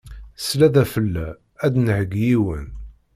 Sya d afella, ad d-nheggi yiwen.